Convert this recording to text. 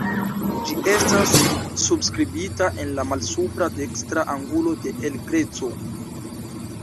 Ĝi estas subskribita en la malsupra dekstra angulo de El Greco.